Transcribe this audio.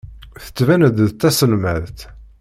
Tettban-d d taselmadt.